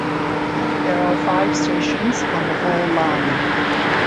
There are five stations on the whole line.